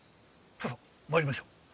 さあさあ参りましょう。